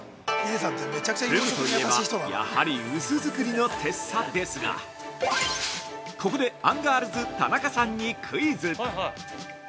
◆ふぐといえばやはり薄造りのてっさですがここで、アンガールズ田中さんにクイズ。